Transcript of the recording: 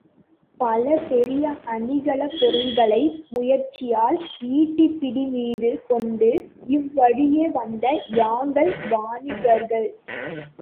பல பெரிய அணிகலப் பொருள்களை முயற்சியால் ஈட்டிப் பிடிமீது கொண்டு, இவ் வழியே வந்த யாங்கள் வாணிகர்கள்.